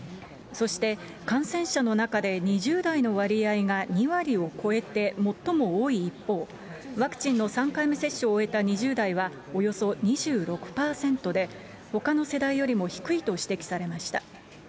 そして、感染者の中で２０代の割合が２割を超えて最も多い一方、ワクチンの３回目接種を終えた２０代はおよそ２６％で、ほかの世代よりも低いと指摘されました。